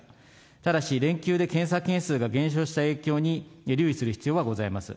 ただし、連休で検査件数が減少した影響に留意する必要はございます。